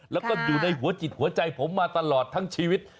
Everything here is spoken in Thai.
แล้วก็อยู่ในหัวจิตหัวใจผมมาตลอดทั้งชีวิต